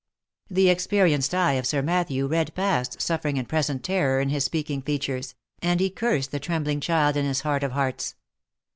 The experienced eye of Sir Matthew read past suffering and present terror in his speaking features, and he cursed the trembling child in his heart of hearts.